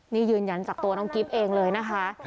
นี่ยืนยันจากตัวน้องกิ๊บเองเลยนะคะ